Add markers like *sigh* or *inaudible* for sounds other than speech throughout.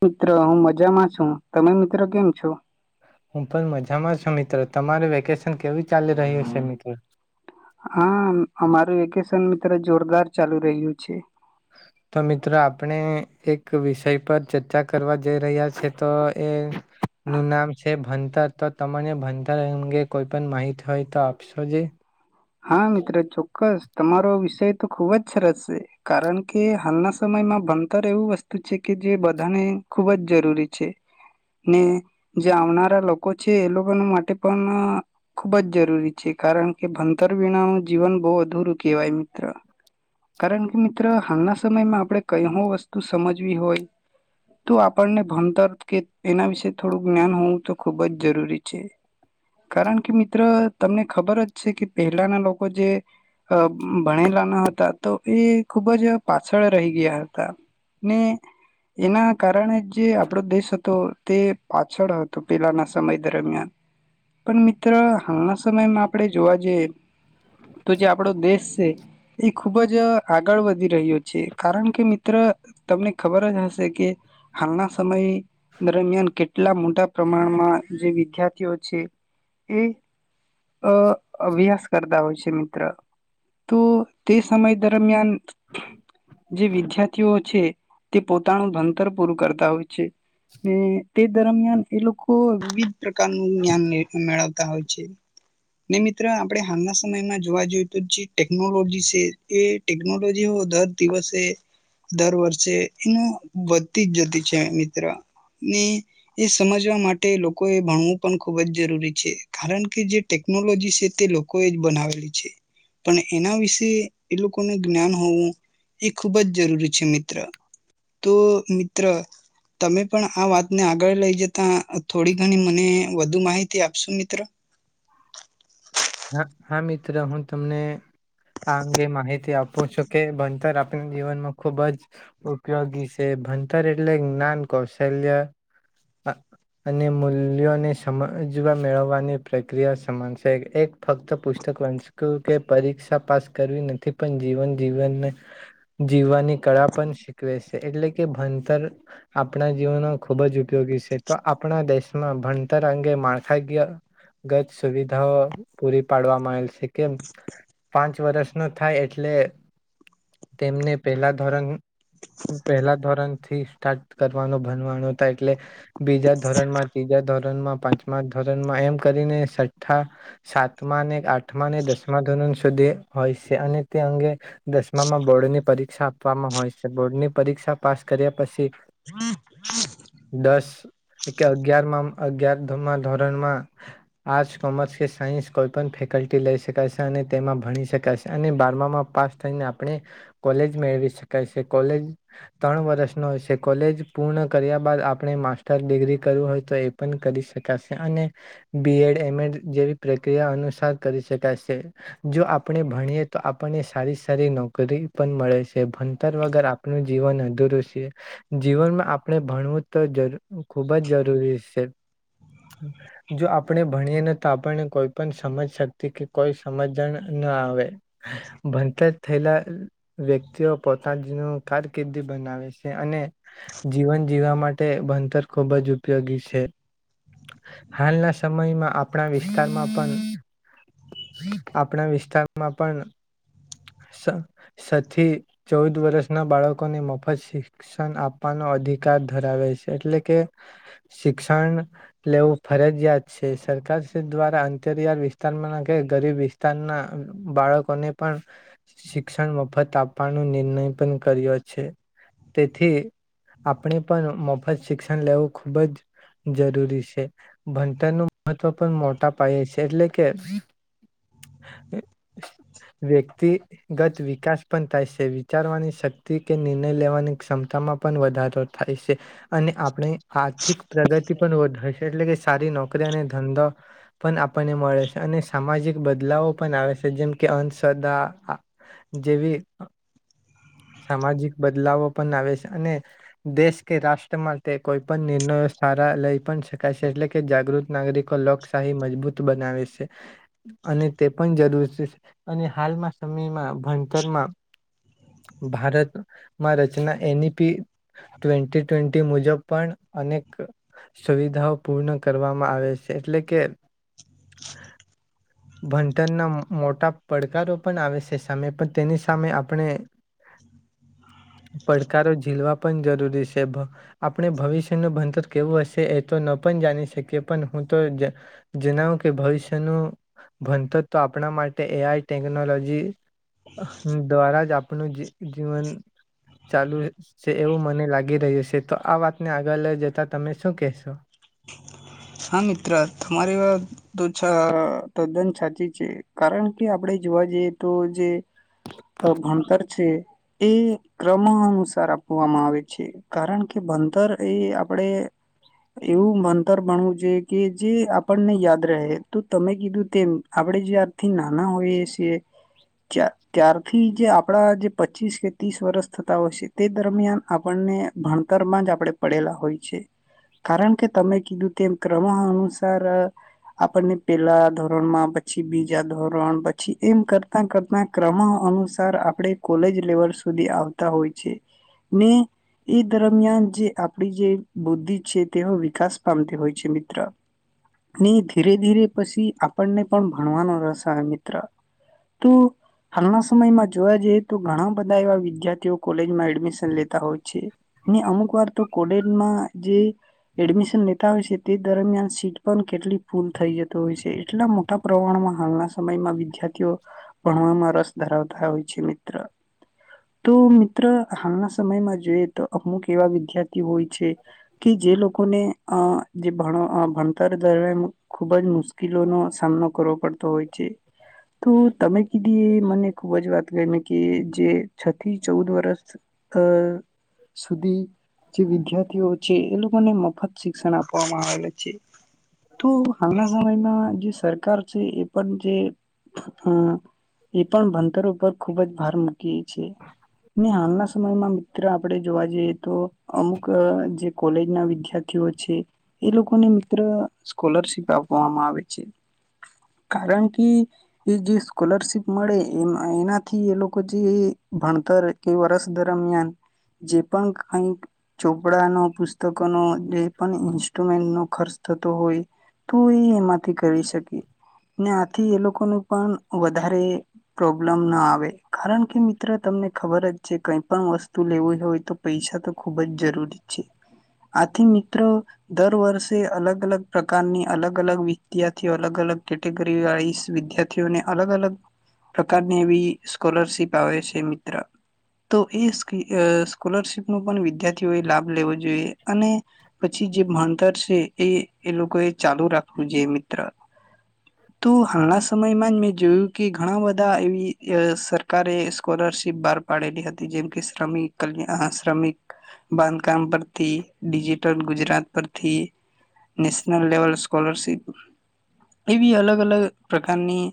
મિત્ર હું મજામાં છું, તમે મિત્રો કેમ છો? હું પણ મજામાં છું, મિત્ર તમારે વેકેશન કેવી ચાલી રહ્યું છે મિત્ર હા હા અમારું એક વેકેશન કદાચ જોરદાર ચાલુ રહ્યું છે. તો મિત્રો આપણે એક વિષય પર ચર્ચા કરવા જઈ રહ્યા છે, તો એ નું નામ છે, ભં તો તો તમને ભણતાર અંગે કોઈ પણ માહિત હોય, તો આપશો જે હા મિત્ર ચોક્કસ. તમારો વિષય તો ખુબ જ સરસ છે, કારણ કે હાલના સમયમાં ભણતર એવું વસ્તુ છે, કે જે બધાને ખુબ જ જરૂરી છે, ને જે આવનારા લોકો છે, એ લોકો માટે પણ ખુબ જ જરૂરી છે, કારણ કે ભણ તર વીણા નું જીવન બો અધુરું કહેવાય મિત્ર. કારણ કે મિત્ર હાલના સમયમાં આપણે કઈ હો વસ્તુ સમજવી હોય તો આપણને ભણતર કે એના વિશે થોડું જ્ઞાન હોવું તો ખૂબ જ જરૂરી છે, કારણ કે મિત્ર તમને ખબર જ છે, કે પહેલાના લોકો જે આ ભણેલા ના હતા તો એ ખૂબ જ પાછળ રહી ગયા હતા, ને એના કારણે જે આપણો દેશ હતો તે પાછળ હતો, પેલાના સમય દરમિયાન પણ મિત્ર હાલના સમયમાં આપણે જોવા જઈએ તો જે આપણો દેશ છે એક ખૂબ જ આગળ વધી રહ્યો છે, કારણ કે મિત્ર તમને ખબર જ હશે કે હાલના સમયે દરમિયાન કેટ એટલા મોટા પ્રમાણમાં જે વિદ્યાર્થીઓ છે, એ અ અભ્યાસ કરતા હોય છે, મિત્ર તો તે સમય દરમિયાન જે વિદ્યાર્થીઓ છે, તે પોતાનું ભણતર પૂરું કરતા હોય છે, ને તે દરમિયાન એ લોકો વિવિધ પ્રકારનું જ્ઞાન મેળવતા હોય છે, ને મિત્ર આપણે હાલના સમયમાં જોવા જોઈએ તો જે ટેકનોલોજી એ એ ટેકનોલોજી દર દિવસે દર વર્ષે એનું વધતી જ જતી છે, મિત્ર ને એ સમજવા માટે લોકો એ ભણવું પણ ખુબ જ જરૂરી છે, કારણ કે જે ટેકનોલોજી છે, તે લોકોએ જ બનાવેલી છે, પણ એના વિશે એ લોકોનું જ્ઞાન હોવું એ ખૂબ જ જરૂરી છે, મિત્ર તો મિત્ર તમે પણ આ વાતને આગળ લઈ જતા થોડી ઘણી મને વધુ માહિતી આપશું મિત્ર. હા હા મિત્ર હું તમને આ અંગે માહિતી આપું છું, કે ભણતર આપ જીવનમાં ખૂબ જ ઉપયોગી છે, ભણતર એટલે જ્ઞાન કૌશલ્ય અ અને મૂલ્યોને સમજવા મેળવવાની પ્રક્રિયા સમાન છે, એક ફક્ત પુસ્તક વાંચક્યું કે પરીક્ષા પાસ કરવી નથી, પણ જીવન જીવનને જીવવાની કળા પણ શીખવે છે, એટલે કે ભણતર આપણા જીવનમાં ખૂબ જ ઉપયોગી છે, તો આપણા દેશમાં ભણતર અંગે માળખાગિયા ગત સુવિધાઓ પૂરી પાડવામાં આવેલ છે, કેમ પાંચ વર્ષ નો થાય એટલે તેમને પહેલા ધોરણ, પહેલા ધોરણ થી સ્ટાર્ટ કરવાનો ભનવાનો થાય, એટલે બીજા ધોરણમાં, ત્રીજા ધોરણમાં, પાંચમા ધોરણમાં, એમ કરીને છઠ્ઠા સાતમા ને આઠમા ને દસમા ધોરણ સુધી હોય છે, અને તે અંગે દસમામાં બોર્ડની પરીક્ષા આપવામાં હોય છે, બોર્ડની પરીક્ષા પાસ કર્યા પછી *unintelligible* અગિયાર ગ્યારમમાં અગીયાર ધોરણ ધોરણમાં આર્ટસ કોમર્સ કે સા- સાયન્સ કોઈ પણ ફેકલ્ટી લઈ શકાશે અને તેમાં ભણી શકાશે અને બારમામાં પાસ થઈને આપણે કોલેજ મેળવી શકશે છે, કોલેજ ત્રણ વર્ષનો હોય છે, કોલેજ પૂર્ણ કર્યા બાદ આપણે માસ્ટર ડિગ્રી કરવું હોય તો એ પણ કરી શકાશે અને બી એડ એમએડ જેવી પ્રક્રિયા અનુસાર કરી શકાશે જો આપણે ભણીએ તો આપણને સારી સારી નોકરી પણ મળે છે ભણતર વગર આપણ જીવન અધૂરું છે જીવનમાં આપણે ભણવું તો જ ખૂબ જ જરૂરી છે જો આપણે ભણીએ ને તો આપને કોઈ પણ સમજ શક્તિ કે કોઈ સમજણ ન આવે ભણતર થયેલા વ્યક્તિઓ પોતા જ ન કારકિર્દી બનાવે છે અને જીવન જીવવા માટે તે ભણતર ખૂબ જ ઉપયોગી છે હાલના સમયમાં આપણા વિશે આપણા વિસ્તારમાં પણ આપણા વિસ્તારમાં પણ સથી ચૌદ વર્ષના બાળકોને મફત શિક્ષણ આપવાનો અધિકાર ધરાવે છે એટલે કે શિક્ષણ લેવું ફરજિયાત છે સરકાર દ્વારા અંતરિયાળ વિસ્તારમાં કે ગરીબ વિસ્તારના બાળકોને પણ શિક્ષણ મફત આપવાનો નિર્ણય પણ કર્યો છે તેથી આપણે પણ મફત શિક્ષણ લેવું ખૂબ જ જરૂરી છે ભણતરનું મહત્વ પણ મોટા પાય છે એટલે કે વ્યક્તિગત વિકાસ પણ થાય છે વિચારવાની શક્તિ કે નિર્ણય લેવાની ક્ષમતામાં પણ વધારો થાય છે અને આપણે આર્થિક પ્રગતિ પણ વધ હશે એટલે કે સારી નોકરી અને ધંધો પણ આપ મળે છે અને સામાજિક બદલાવો પણ આવે છે જેમ કે અંધ સદા જેવી સામાજિક બદલાવો પણ આવે છે અને દેશ કે રાષ્ટ્ર માટે કોઈ પણ નિર્ણયો સારા લઈ પણ શકાય છે એટલે કે જાગૃત નાગરિકો લોક મજબૂત બનાવે છે અને તે પણ જરૂર અને હાલમાં સમીમાં ભણતર માં ભારતમાં રચના એનઈપી ટ્વેન્ટી ટ્વેન્ટી મુજબ પણ અનેક સુવિધાઓ પૂર્ણ કરવામાં આવે છે એટલે કે ભણતરના મોટા પડકારો પણ આવે છે સામે પણ તેની સામે આપણે. પડકારો ઝીલવા પણ જરૂરી છે આપણે ભવિષ્યનું ભણતર કેવું હશે એ તો ન પણ જાણી શકીએ પણ હું તો જણાવું કે ભવિષ્યનું ભણતર તો આપણા માટે એ આઈ ટેકનોલોજી દ્વારા જ આપણું જીવન ચાલુ છે એવું મને લાગી રહ્યું છે, તો આ વાતને આગળ લઈ જતા તમે શું કહેશો? હા મિત્ર તમારી વાત તો છ તદ્દન સાચી છે કારણ કે આપણે જોવા જઈએ તો, જે ભણતર છે એ ક્રમ અનુસાર આપવામાં આવે છે કારણ કે ભણતર એ આપણે. એવું ભનતર ભણવું જોઈ કે જે આપણને યાદ રહે તો તમે કીધું તેમ આપણે જ્યારથી નાના હોઈએ છીએ, ત્યારથી જે આપડા જે પચીસ કે ત્રીસ વરસ થતા હોય છે તે દરમિયાન આપણને ભણતર માં જ આપણે પડેલા હોય છે. કારણ કે તમે કીધું તેમ ક્રમ અનુસાર આપણને પેલા ધોરણમાં પછી બીજા ધોરણ પછી એમ કરતા-કરતા ક્રમ અનુસાર આપણે કોલેજ લેવલ સુધી આવતા હોય છે, ને એ દરમિયાન જે આપડી જે બુદ્ધિ છે. વિકાસ પામતી હોય છે મિત્ર ને ધીરે ધીરે પછી આપણને પણ ભણવાનો રસ આવે મિત્ર, તો હાલના સમયમાં જોવા જઈ તો ઘણા બધા એવા વિદ્યાર્થીઓ કોલેજમાં એડમિશન લેતા હોય છે ને અમુક વાર તો કોલેજમાં જે. એડમિશન લેતા હોય છે તે દરમિયાન સીટ પણ કેટલી ફૂલ થઈ જતો હોય છે એટલા મોટા પ્રમાણમાં હાલના સમયમાં વિદ્યાર્થીઓ ભણવામાં રસ ધરાવતા હોય છે મિત્ર, તો મિત્ર હાલના સમયમાં જોઈએ તો અમુક એવા વિદ્ય થી હોય છે કે જે લોકો. જે ભણતર દરમિયાન ખુબ જ મુશ્કેલો નો સામનો કરવો પડતો હોય છે તો તમે કીધી એ મને ખુબ જ વાત એ કે જે છ થી ચૌદ વર્ષ અ સુધી જે વિદ્યાર્થીઓ છે એ લોકો મને મ ફત શિક્ષણ આપવામાં આવેલ છે. તું હાંગલા સાઈ ના જે સરકાર છે એ પણ જે એ પણ ભણતર ઉપર ખુબ જ ભાર મૂકી ને હાલના સમયમાં મિત્ર આપણે જોવા જઈએ તો અમુક જે કોલેજ ના વિદાર એ લોકોને મિત્ર સ્કોલરશિપ આપવામાં આવે છે કારણ કે એ જે સ્કોલરશીપ મળે એ એનાથી એ લોકો જે ભણતર કે વર્ષ દરમિયાન જે પણ કઈક ચોપડાનો પુસ્તકોનો જે પણ ઈન્સ્ટ્રુમેન્ટ નો ખર્ચ થતો હોય તો એ એમાં કરી શકી. ને આથી એ લોકોને પણ વધારે પ્રોબ્લમ ના આવે કારણ કે મિત્ર તમને ખબર જ છે કઈ પણ વસ્તુ લેવી હોય તો પૈસા તો ખુબ જ જરૂરી છે આથી મ્ર દર વર્ષે અલગ અલગ પ્રકારની અલગ અલગ વિદ્યાર્થીઓ અલગ અલગ કેટેગરી વાળીસ વિદ્યાર્થીઓને અલગ અલગ પ્રકારની એવી સ્કોલરશિપ આવે છે મિત્ર તો એ સ્કોલરશિપ ન પણ વિદ્યાર્થીઓએ લાભ લેવો જોઈએ અને પછી જે ભણતર છે એ એ લોકો એ ચાલુ રાખવું છે મિત્ર તો હાલના સમયમાં જ મેં જોયું કે ઘણા બધા એવી સરકારે સ્કોલરશીપ બહાર પાડેલી હતી જેમ કે શ્રમિકલ્યા શ્રમિક બાંધકામ પરથી ડિજિટલ ગુજરાત પર ઠી નેશનલ લેવલ સ્કોલરશીપ એવી અલગ-અલગ પ્રકારની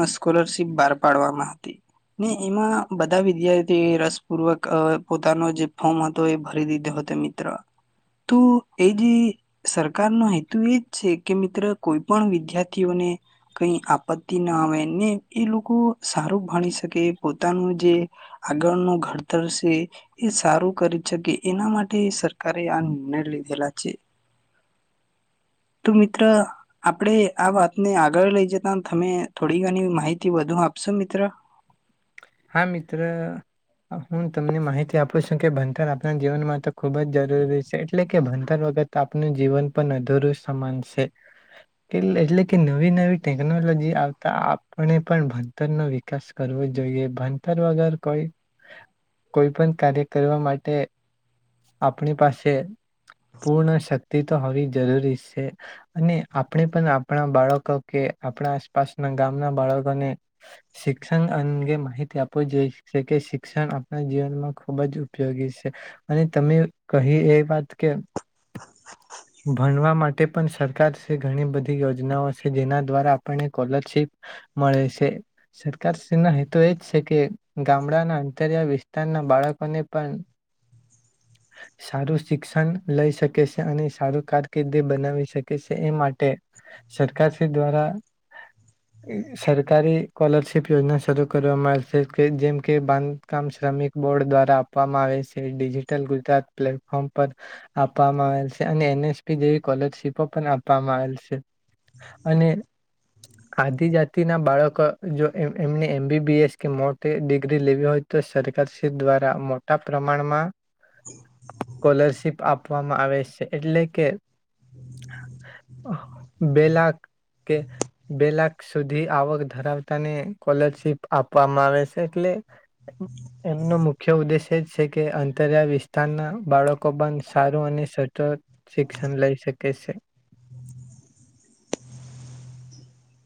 અ સ્કોલરશિપ બહાર પાડવામાં હતી. ને એમાં બધા વિદ્યાર્થી એ રસપૂર્વક અ પોતાનો જે ફોર્મ હતો એ ભરી દીધો હતો, મિત્ર. તો એજે સરકારનો હેતુ એજ છે કે, મિત્ર. કોઈપણ વિદ્યાર્થીઓને કઈ આપત્તિ ના આવે ને એ લોકો સારું ભણી શકે પોતાનું જે આગળ નું ઘડતર છે એ સારું કરી શકે એના માટે સર કરે આ નિર્ણય લીધેલા છે. તો મિત્ર આપણે આ વાતને આગળ લઈ જતા તમે થોડી ઘની માહિતી વધુ આપશો? મિત્ર. હા, મિત્ર. હું તમને માહિતી આપું છું કે ભણતર આપણા જીવનમાં તો ખૂબ જ જરૂરી છે. એટલે કે ભન તર વખત આપનું જીવન પણ અધુરું સમાન છે. એટલે કે નવી નવી ટેકનોલોજી આવતા આપણે પણ ભણતર નો વિકાસ કરવો જોઈએ. ભણતર વગર કોઈ કોઈ પણ કાર્ય કરવા માટે આપણી પાસે પૂર્ણ શક્તિ તો હોવી જરૂરી છે અને આપણે પણ આપણા બાળકો કે આપણા આસપાસના ગામના બાળકોને શિક્ષણ અંગે માહિત તે આપ જોઈશ કે શિક્ષણ આપણા જીવનમાં ખૂબ જ ઉપયોગી છે અને તમે કહી એ વાત કે ભણવા માટે પણ સરકાર શ્રી ઘણી બધી યોજનાઓ છે જેના દ્વારા આપણને કોલરશીપ મળે છે સરકાર શ્રીના હેતુ એ જ છે કે ગામડાના અંતરિયા વિસ્તારના બાળકોને પણ સારું શિક્ષણ લઈ શકે છે અને સારું કારકિર્દી બનાવી શકે છે એ માટે સરકાર શ્રી દ્વારા સરકારી કોલરશીપ યોજના શરૂ કરી *unintelligible* જેમ કે બાંધકામ શ્રમિક બોર્ડ દ્વારા આપવામાં આવેલ છે ડિજિટલ ગુજરાત પ્લેટફોર્મ પર આપવામાં આવેલ છે અને એન એસ પી જેવી કોલરશીપો પણ આપવામાં આવેલ છે અને આદિજાતિ ના બાળકો જો એમ એમને એમ બી બી એસ કે મોટી ડિગ્રી લેવી હોય તો સરકારશ્રી દ્વારા મોટા પ્રમાણમાં કોલરશીપ આપવામાં આવે છે એટલે કે બે લાખ કે બે લાખ સુધી આવક ધરાવતાની કોલરશીપ આપવામાં આવે છે એટલે એમનો મુખ્ય ઉદ્દેશ્ય એ જ છે કે અંતરિયાળ વિસ્તારના બાળકો પણ સારું અને સચોત શિક્ષણ લઈ શકે છે.